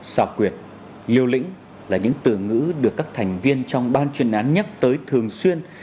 xào quyệt liêu lĩnh là những từ ngữ được các thành viên trong ban chuyên án nhắc tới thường xuyên